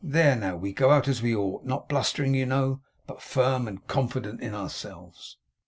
There! Now we go out as we ought. Not blustering, you know, but firm and confident in ourselves.